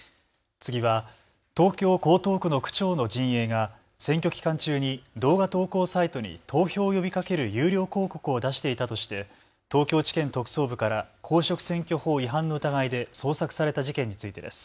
次は東京江東区の区長の陣営が選挙期間中に動画投稿サイトに投票を呼びかける有料広告を出していたとして東京地検特捜部から公職選挙法違反の疑いで捜索された事件についてです。